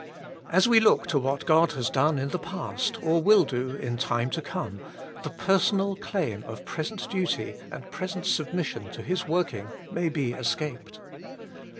As we look to what God has done in the past, or will do in time to come, the personal claim of present duty and present submission to His working may be escaped.